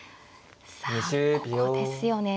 さあここですよね。